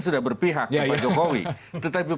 sudah berpihak kepada jokowi tetapi